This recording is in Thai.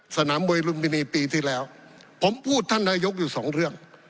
สนามมวยลุมพินีปีที่แล้วผมพูดท่านนายกอยู่สองเรื่อง